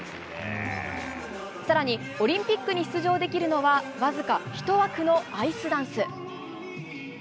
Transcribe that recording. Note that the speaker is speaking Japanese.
更にオリンピックに出場できるのはわずか１枠のアイスダンス。